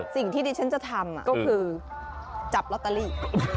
สิ่งที่ดิฉันจะทำก็คือจับลอตเตอรี่